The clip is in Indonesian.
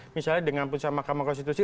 misalnya dengan putusan mahkamah konstitusi